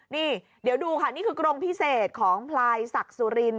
นี่เดี๋ยวดูค่ะนี่คือกรงพิเศษของพลายศักดิ์สุริน